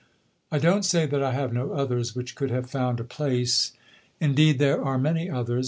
I don't say that I have no others which could have found a place indeed, there are many others.